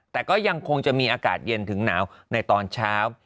แต่ก็ยังคงจะมีอากาศเย็นถึงหนาวในตอนเช้า